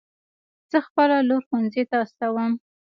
زه خپله لور ښوونځي ته استوم